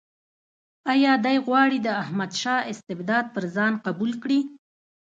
آیا دی غواړي د احمدشاه استبداد پر ځان قبول کړي.